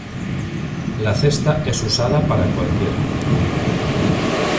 La "cesta" es usada para cualquiera.